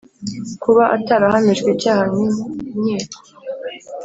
kuba atarahamijwe icyaha n’inkiko;